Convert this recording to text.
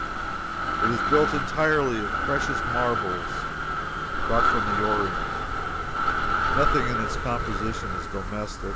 It is built entirely of precious marbles, brought from the Orient nothing in its composition is domestic.